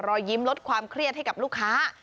รอยยิ้มลดความเครียดให้กับลูกค้า